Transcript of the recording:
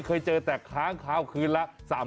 เคยเจอแต่ค้างคาวคืนละ